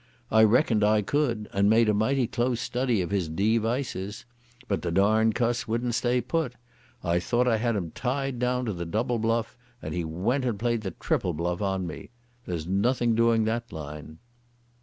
I reckoned I could and made a mighty close study of his de vices. But the darned cuss wouldn't stay put. I thought I had tied him down to the double bluff, and he went and played the triple bluff on me. There's nothing doing that line."